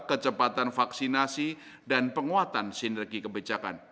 kecepatan vaksinasi dan penguatan sinergi kebijakan